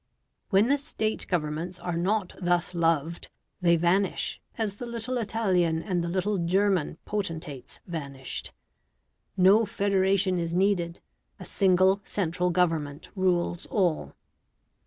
When the State Governments are not thus loved, they vanish as the little Italian and the little German potentates vanished; no federation is needed; a single central Government rules all.